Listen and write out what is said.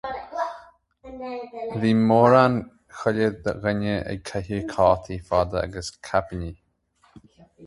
Bhí mórán chuile dhuine ag caitheamh cótaí fada agus caipíní.